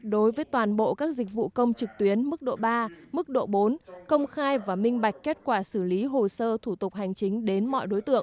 đối với toàn bộ các dịch vụ công trực tuyến mức độ ba mức độ bốn công khai và minh bạch kết quả xử lý hồ sơ thủ tục hành chính đến mọi đối tượng